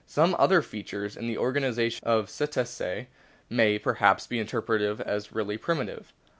Some other features in the organisation of the Cetacea may, perhaps, be interpreted as really primitive.